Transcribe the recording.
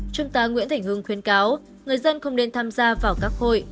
trung tá nguyễn thành hưng khuyến cáo người dân không nên tham gia vào các hội